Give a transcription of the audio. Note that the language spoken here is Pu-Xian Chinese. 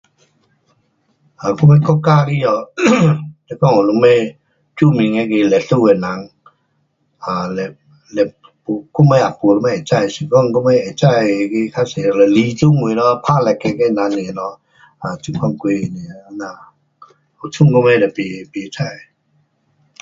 啊，我们国家里下 um 是讲用什么出名那个历史的人，嘞嘞有我们也没什么会知，是讲我们会知的那个较多是李综伟咯，打 racket 的人 nia 咯，这款几个这样。有剩我们都不，不知。